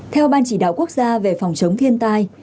theo ban chỉ đạo quốc gia về phòng chống thiên tai